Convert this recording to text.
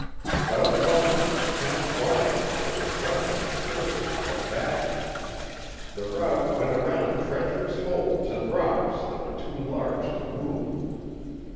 Without warning the path widened where the brush had been carefully cut back. The route went around treacherous holes and rocks that were too large to move.